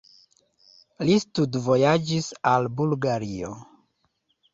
Li studvojaĝis al Bulgario.